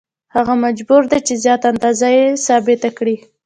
هغه مجبور دی چې زیاته اندازه یې ثابته کړي